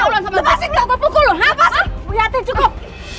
lu masih gak mau pukul